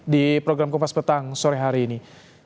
di program kupas petang sore hari ini